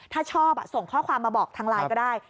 ถ้าชอบส่งข้อความมาบอกทางไลน์ก็ได้